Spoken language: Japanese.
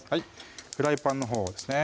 フライパンのほうですね